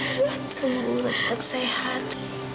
cepat semuanya sehat